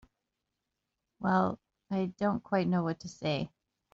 Well—I don't quite know what to say.